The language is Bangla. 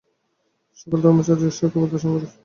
সকল ধর্মাচার্যই ঈশ্বরকে দর্শন করিয়াছিলেন।